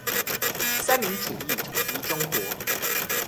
三民主義統一中國